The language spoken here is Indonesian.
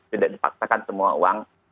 tidak dipaksakan semua uang